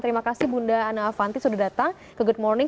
terima kasih bunda ana avanti sudah datang ke good morning